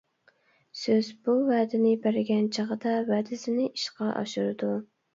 سۆز بۇ ۋەدىنى بەرگەن چىغىدا، ۋەدىسىنى ئىشقا ئاشۇرىدۇ.